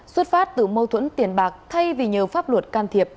xuất phát từ mâu thuẫn tiền bạc thay vì nhờ pháp luật can thiệp